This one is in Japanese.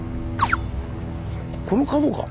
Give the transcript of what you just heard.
この角か。